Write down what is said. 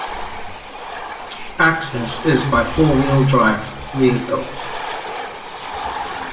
Access is by four-wheel drive vehicle.